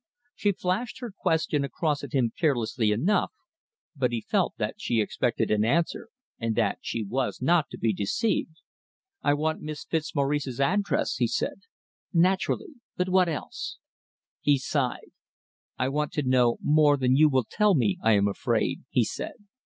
She flashed her question across at him carelessly enough, but he felt that she expected an answer, and that she was not to be deceived. "I wanted Miss Fitzmaurice's address," he said. "Naturally. But what else?" He sighed. "I want to know more than you will tell me, I am afraid," he said.